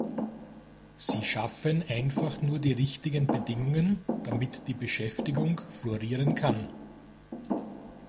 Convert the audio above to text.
Sie schaffen einfach nur die richtigen Bedingungen, damit die Beschäftigung florieren kann.